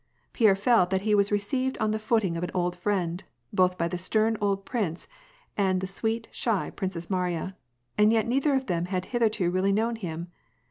Pierre felt that he was received on the footing of an old friend, both by the stern old prince and the sweet, shy, Princess Mariya, and yet neither of them had hitherto really known him.